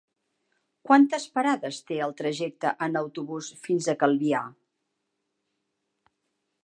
Quantes parades té el trajecte en autobús fins a Calvià?